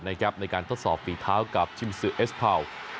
ในการทดสอบฝีเท้ากับชิมซือเอสพาว